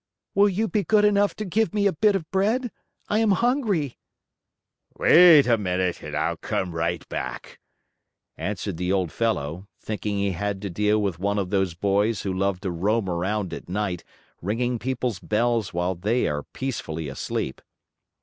"Will you be good enough to give me a bit of bread? I am hungry." "Wait a minute and I'll come right back," answered the old fellow, thinking he had to deal with one of those boys who love to roam around at night ringing people's bells while they are peacefully asleep.